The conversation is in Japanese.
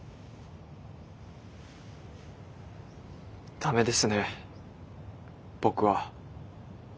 ダメですね僕は。